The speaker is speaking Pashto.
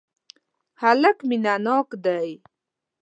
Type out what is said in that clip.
هلک مینه ناک دی.